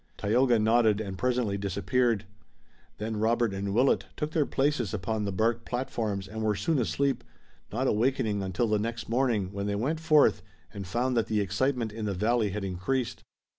Tayoga nodded, and presently disappeared. Then Robert and Willet took their places upon the bark platforms and were soon asleep, not awakening until the next morning when they went forth and found that the excitement in the valley had increased.